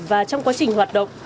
và trong quá trình hoạt động